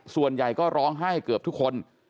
ส่วนใหญ่ก็ร้องไห้เกือบทุกคน